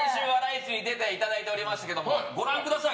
市に出ていただいておりましたけどもご覧ください。